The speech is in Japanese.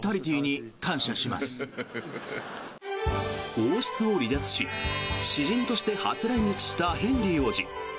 王室を離脱し私人として初来日したヘンリー王子。